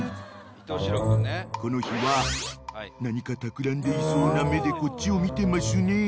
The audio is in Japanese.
［この日は何かたくらんでいそうな目でこっちを見てますね］